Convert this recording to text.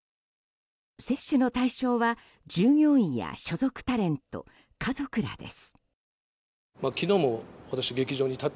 接種の対象者は、従業員や所属タレント、家族らです。